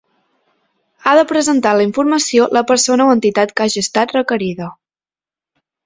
Ha de presentar la informació la persona o entitat que hagi estat requerida.